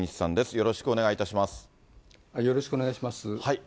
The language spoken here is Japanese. よろしくお願いします。